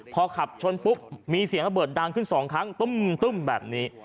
พอขับชนปุ๊บมีเสียงระเบิดดังขึ้น๒ครั้งตุ้มแบบนี้